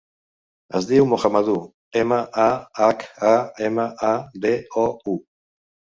Es diu Mahamadou: ema, a, hac, a, ema, a, de, o, u.